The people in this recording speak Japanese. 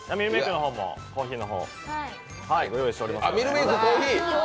ミルメークの方もコーヒーをご用意していますので。